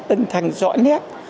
ân thanh rõ nét